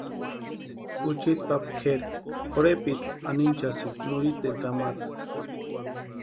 Juchiti papa kʼeri jorhepitku anhinchasïni nurhiteni kamata.